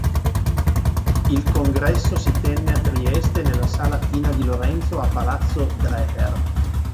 Il congrsso di tenne a Trieste nella Sala "Tina di Lorenzo" a Palazzo Dreher.